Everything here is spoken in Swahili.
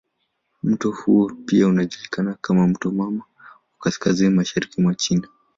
Mto huo pia unajulikana kama "mto mama" huko kaskazini mashariki mwa China.